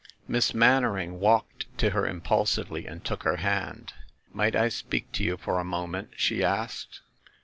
Miss Mannering walked to her impulsively and took her hand. "Might I speak to you for a moment?" she asked.